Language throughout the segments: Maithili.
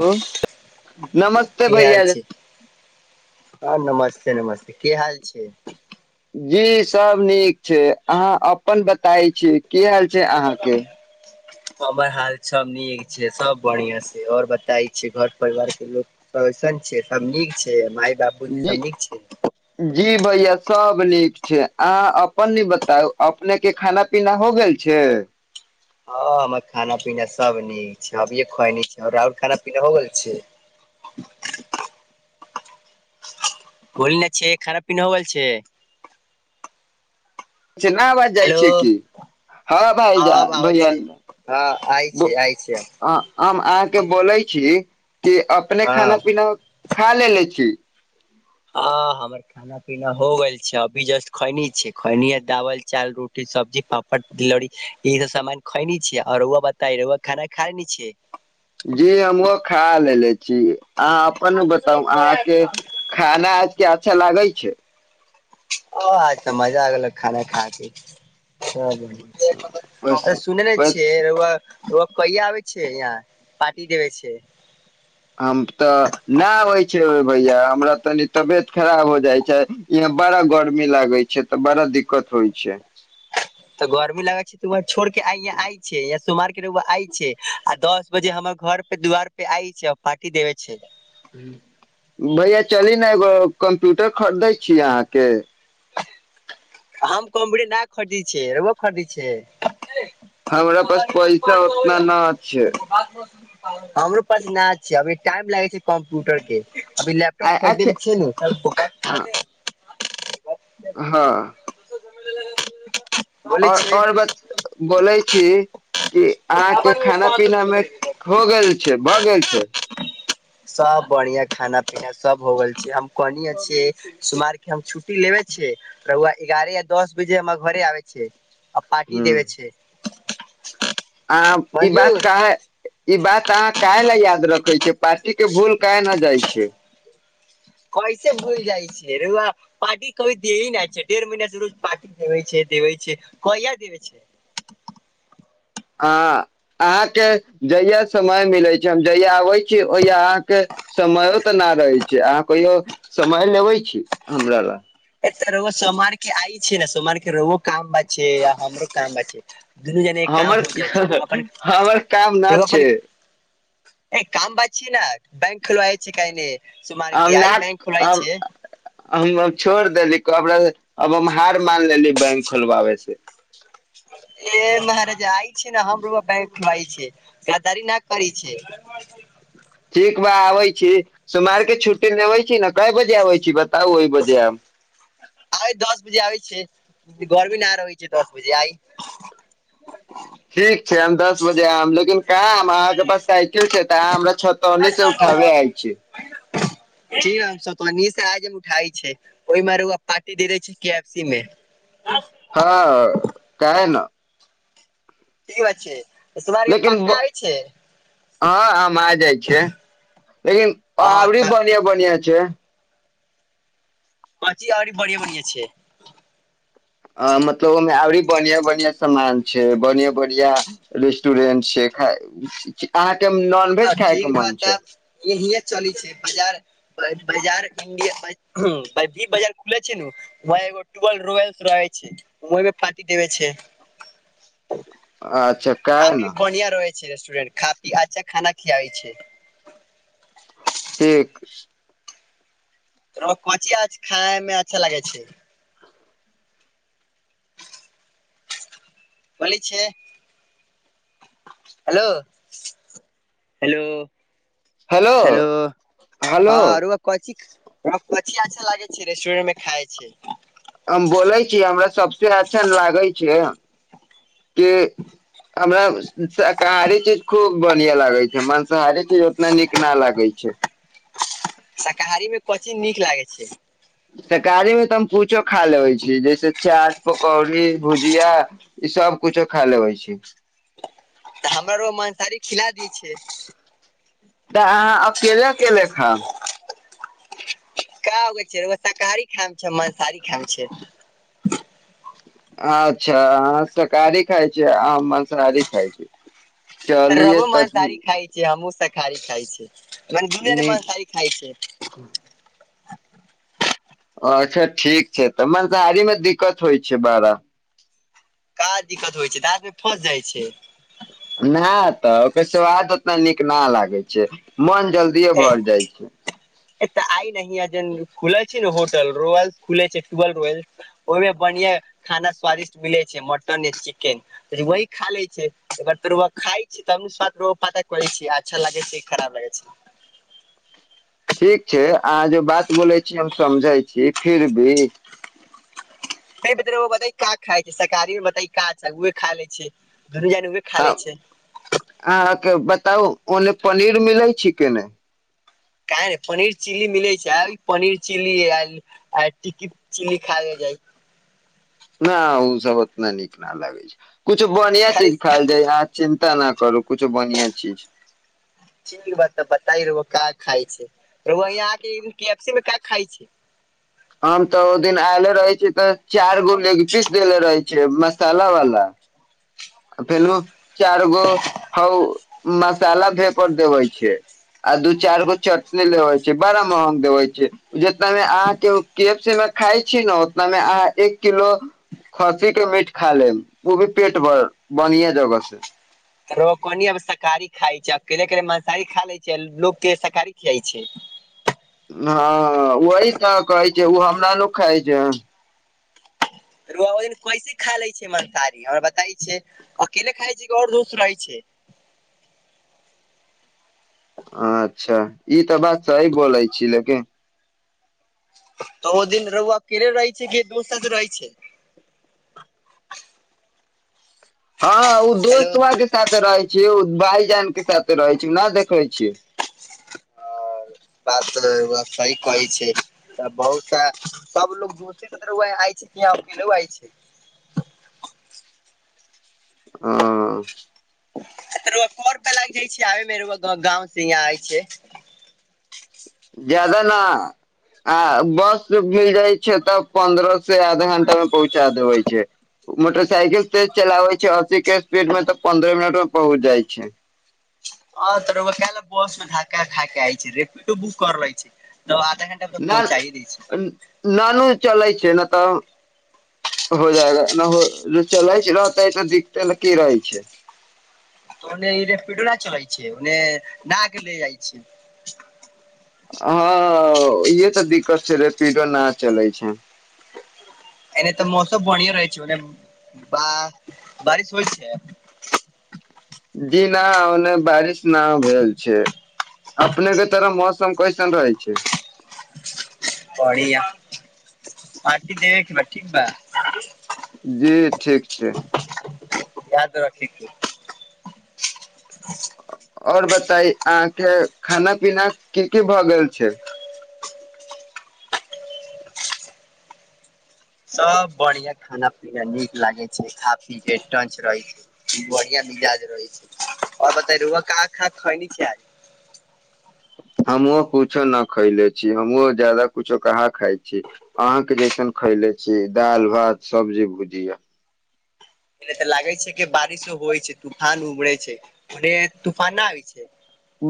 हेलो नमस्ते की हाल भैया छै हँ नमस्ते नमस्ते नमस्ते की हाल छै जी सब नीक छै अहाँ अपन बताई छी की हाल छै अहाँ के हमर हाल सब नीक छै सब बढ़िया से आओर बताय छै घर परिवार के लोक कइसन छै सब नीक छै माई जी जी भैया सब नीक छै अहाँ अपन न बताउ अपने के खाना पीना हो गेल छै हँ हमर खाना पीना सब नीक छै अभिय खइ न राउर खाना पीना हो गेल छै [inaudible] बोल ने छै खना पीना भ गेल छै ना अबाज जाइ हेलो छियै की हँ भाइजान अब आबै भैया छै हँ आइ बो छै आइ छै हम अहाँ के बोलै छी की अपने हँ खाना पीना खा लेने छी आ हमर खाना पीना हो गेल छै अभी जस्ट खैनी छै खैनी ह दाबल चाल रोटी सब्जी पापड़ तिलौरी ई सब सामान खइनी छै आओर रउआ बताइ खाना खा लेने छिये हमहुँ खा लेलेे जी अहाँ अपन बताउ अहाँ के खाना आज के अच्छा लागै छै ओ आछा मजा आगल खाना खा के बस सुनेनेे बस छियै रउआ रैआ कहिया आबै छिये यहाँ पार्टी देबे छै हम तऽ नहि आबै छै भैया हमरा तनी तबियत खराब हो जाइ छै ई बड़ा गर्मी लागै छै तऽ बड़ा दिक्कत होइ छै तऽ गर्मी लगै छै त वहा छोड़ के आय आइ छै यहा सोमार रउआ आइ छै आ दस बजे हमर घर पे दुआार पे आइ छै पार्टी देबे छै भैया चली ने एगो कम्प्यूटर खरीदै छीय अहाँ के आम कमरीे नहि खरिदे छै रउआ खरिदे छै हमरा पास पैसा उतना न छै हमरो पास न छै अभी टाइम लागे छै कम्प्यूटर के अभी आ लैपटप अच्छा खरिदमे छै नु हँ बोलै आओर छियै आओर ब बोलै छी कि अहाँ के खाना पीना मे हो गेल छै भऽ गेल छै सब बढ़िया खाना पीना सब हो गेल छै हम कोन छियै सुुमार के हम छुट्टी लेबे छै रउआ एगारह या दस बजे हम घरे आबे छै आ पार्टी देवे छै आ ई बात मंजूर क है ई बात अहाँ काहै ल याद रखे छिय पार्टी के भूल काहे न जाइ छै कैसे भूल जाइ छै रउआ पार्टी कभी दे नहि छै डेढ़ महिीनासँ रूज पार्टी देे छै देबे छै कहिया देबे छै [inaudible] हँ अहाँ के जहिया समय मिले छै हम जहिया आबे छी ओहिया अहाँके समयो तऽ न रहै छै अहाँ कहियो समय लेबे छी हमरा लए ए तऽ रउआ सोमवार के आइ छै ने सोमार के रह काम बात छै य हमरो काम बात छै दुनू जने हमर काम हो जाइ छै अपन हमर काम न रो छै अपन काम बच छी न बैंक खोल जा छी कहिनी हम अब छोड़ देलि अब हम हार मान लेली बैंक खोलबाबै से ए महाराजा आइ छै ने हमरू बैक खा गदारी न कर छै ठिक बा आबै छी सुमार के छुटी लेबे छी ने क बजे आबै छी बताउ ओहि बजे आयब आ दस बजे आ छै घर भी न रहै छै दस बजे आबय छियै ठीक छै हम दस बजे आयब लेकिन काम अहाँके तऽ हमरा छतने से आइ उठाबे आय छी जी सतनी से आज उठई छै ओहिमे पार्टी देे छै कैफे मे हँ कहे न कि बात छै तोरा आर के लेकिन पक्का ब होइ छै हँ आम आ जाइ छै लेकिन हँ पाबरी तऽ बढ़िया बढ़िया छै बची आररी बढ़िआ बढ़िआ छै अ मतलब अमे आबरी बनआ बनआ सामान छै बढ़िया बढ़िया रेस्टोरेंट छै आ [inaudible] तऽ ठीक बात हे चली छै बाजार बार इंडिया भी बाजार खुले छै व एगो ट रोलस रहे छै उममे पाटी देबे छै [inaudible] अच्छा काहे काफी न बढ़िया रहै छै रेस्टोरेंट काफी अच्छा खाना खियाै छै एक त कची आज खाय मे अच्छा लागै छै बली छै हेलो हेलो हेलो हेलो हँ अरु कहच [unintelligible] कथि अच्छा लागे छै रेस्टोरेंट में खाय छै हम बोलै छीयै हमरा सबसे अच्छा लागै छै क हमरा शाकाहरी चीज खूब- बढ़िआ लागैत छैक मंसाहारी चीज ओतना नीक न लागैत छैक शाकाहारी मे कथि नीक लागैत छैक। तरकारी मे तऽ हम कुछो खा लेबै छी जैसे चाट पकौड़ी भुजिया सब कुछो खा लेबैत छी तऽ हमरा मांसाहारी खिला दैत छै तऽ अहाँ अकेले अकेले खाउ का होगै छै शाकाहारी खाय छै मांसाहारी खाय छै अच्छा शाकाहारी खाय छ आ माँसाहारी खाय छै रहुआ मांसाहारी खाय छियैक हम सक खारी खाय छै मने दुनि [inaudible] या मन नीक सारी खाय छै अच्छा ठीक छै तऽ मांसाहारीमे दिक्कत होइ छै बड़ा काज दिक्कत होइ छै दांतमे फँस जाइत छैक नहि तऽ ओकर स्वाद उतना नीक न लागैत छैक मन जल्दिए ए भर जाइत छै खुल छै ने होटल रोयल्स खुल छै दुएल रोयल्स ओहि मे बढ़िया खाना स्वादिष्ट मिलैत छैक मटन या चिकेन वही खा लैत छियै अगर तरुआ खाइत छ त करै छी अच्छा लागय छै खराब लागै छै ठीक छै अहाँ जे बात बोलै छीयै हम समझै छी फिर भी खाइ छै शाकारी मे बता काए खा ले छै दुनू जानी उहे खा हँ ले छै अहाँके बताउ ओने पनीर मिलै छै के नाई क पनीर चिली मिलैत छै पनीर चिली टिकी चिली खा ल जाइ [inaudible] न ओ सब उतना नीक न लगैत छै कछु बढ़िया खाली चीज खायल जाय यह चिन्ता न करू किुछो बन्हियाँ चीज चिली बात बता रह का खाय छै व याँ के फ़ सी मे क खाइ छै [inaudible] हम तऽ ओ दिन आयले रहे छीै तऽ चार गो लग पीस देेले रहे छियै मसाला वाला फेलु चारि गो ह मसाला पेपर देबे छै आ दू चार गो चटनी लेबे छै बड़ा महंग देवै छै जितना मे अहाँ के केफसी खाय छी ने ओतनामे अहाँ एक किलो खस्सी के मीट खा लेब ओ भी पेट भर बनिया जगह से कनि अब शाकाहारी खाइ छै के के मासाहारी खा लै छै लोकोगके शाकाहारी खियाइ छै हँ वहि तऽ कहै छै ओ हमरा ल खाइ छै ओहि दिन कैसे खा लै छै मानसारी हमर बताइ छै अकेले खाइ छै कि आओर दोस्त रहै छै [inaudible] अच्छा ई तऽ बात सही बोलै छी लेकिन तऽ ओ दिन रुहूआ केरे रहै छै कि दोस्त साथ रहै छै [inaudible] हँ ओ हेलो दोस्तबा के साथे रहय छी ओ भायजान के साथे रहै छै नहि देखै छी बात तऽ रौआ सही कहैत छै तऽ बहुत सा सब लोग घूसे आ छै यह उइ छै [inaudible] ह [inaudible] कोर प लाग जाइ छै आबे मे गाँं से यहाँ आ छै जड़ान आ बस भी जाइ छै तऽ पंन्द्रह स से आधा घंटा मेमे पहुँचा देबै छै मोटरसाइकिल तज चलाबै छै अस्सी के स्पीड मे तऽ पंन्द्रह मिनट मे पहुँच जाइ छै [inaudible] ह त ओ कल बस मे ढाक ढाक आइ छै रेपिडो बुक कर लै छै तऽ आधा घंटा मे तऽ न पहुँचाइ दै छै नानू चलै छै नहि तऽ हो जायगा न हो चलै छै रहैत तऽ दिक्कते ने की रहै छै [inaudible] ओने रेपीडो न चलाय छै ओने घुमाक ले जाइ छै हँ इहे तऽ दिक्कत छै रेपिडो न चलै छै एने तऽ मौसम बढ़िया रहै छै ओने बाह बारिश होइ छै जी नहि ओने बारिश न भेल छै अपनेके तरफ मौसम कैसन रहै छै बढिया पार्टी देबेक बा ठीक बा जी ठीक छै याद रखि के आओर बताई अहाँके खाना पीना की की भऽ गेल छै सब बढ़िया खाना पीना नीक लागे छै खा पी के टंच रहै छी बढ़िया याद रहै छै आओर बताइ रउआ का का खैनि छै आज [inaudible] हमहु कुछो न खैले छी हमहु ज्यादा कुछो कहाँ खाय छी अहाँ के जइसन खयले छी दालि भात सब्जी भुजीया एने तऽ लागे छै कि बारिशो होइ छै तूफान उबरे छै ओने तूफान ना आबै छै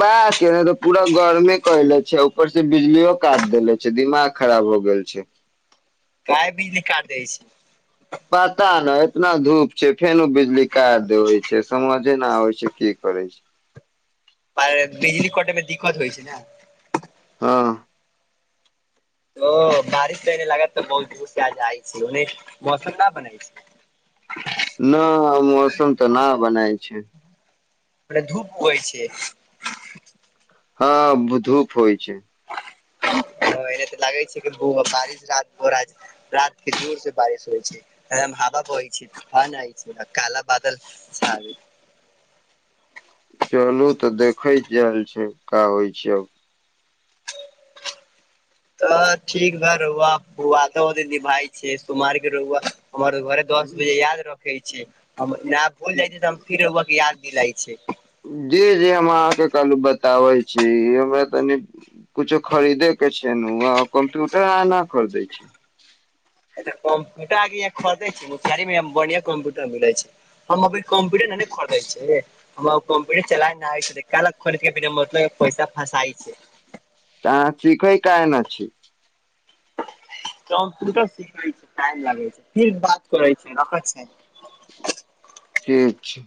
भक एने तऽ पूरा गर्मे कयले छै ऊपर से बिजलियो काट देेले छै दिमाग खराब हो गेल छै काहे बिजली काट दै छै पता नहि एतना धूप छै फेनु बिजली काट देवै छै समझे नहि आबै छै की करै छी आ ए बिजली कटेमे दिक्कत होइ छै न हँ ओ बारिश तऽ एने लागैत तऽ बहुत जोड़ से आइ जाइ छै ओने मौसम न बनल छै न मौसम तऽ न बनाय छै पुरा धूप होयइ छै हँ धूप होइ छै [inaudible] एने तऽ लागे छै कि खुब अब बारिश रात के जोर से बारिश होइ छै एकदम ह हवा बहै छै तुफान आयल छै काला बादल छा गेल [inaudible] चलू तऽ देखैत जायल छै का होइ छै अब तऽ ठीक बा र‌उआ वादो नै निभाय छै सोमार के र‌उआ हमर घरे दस बजे याद रखे छै हम ना भूल जाय छै तऽ हम फिर र‌उआ के याद दिलाय छैय। जी जी हम अहांके काल्हु बताबै छी एमे तनि कुछो खरीदे के छै नु आ कम्प्यूटर अहां न खरीदै छी एत कम्प्यूटर अहां के इहां खरीदे छै मोतिहारी मे बढ़िया कम्प्यूटर मिले छै हम अपने कम्प्यूटर ना खरीदे छै हमरा कम्प्यूटर चलावे ना आवै छै त काहेला खरीद के बिना मतलब के पैसा फसाई छै त अहां सीखै काहेन छी कम्प्यूटर सीखैमे टाइम लागै छै फिर बात करै छै रखैत छै ठीक छै